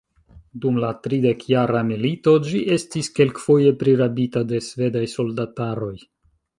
Dum la tridekjara milito ĝi estis kelkfoje prirabita de svedaj soldataroj.